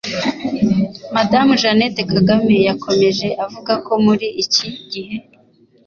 Madamu Jeannette Kagame yakomeje avuga ko muri iki gihe